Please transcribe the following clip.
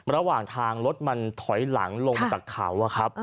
ระหว่างทางรถมันถอยหลังลงมาจากเขาอะครับ